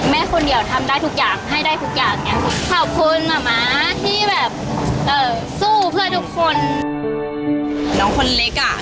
แม่คนเดียวทำได้ทุกอย่างให้ได้ทุกอย่าง